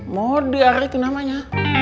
moder itu namanya